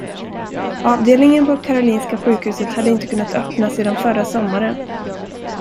Avdelningen på Karolinska sjukhuset hade inte kunnat öppna sedan förra sommaren.